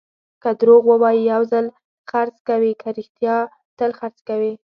که دروغ ووایې، یو ځل خرڅ کوې؛ که رښتیا، تل خرڅ کوې.